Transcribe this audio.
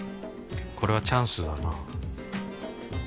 これはチャンスだな